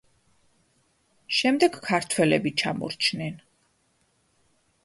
შემდეგ ქართველები ჩამორჩნენ.